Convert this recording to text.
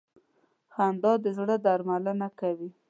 خندا د زړه درملنه کوي.